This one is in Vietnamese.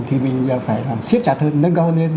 thì mình phải làm siết chặt hơn nâng cao lên